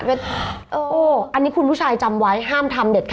อันนี้คุณผู้ชายจำไว้ห้ามทำเด็ดค่ะ